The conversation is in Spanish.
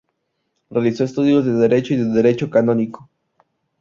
Realizó estudios de Derecho y de Derecho Canónico.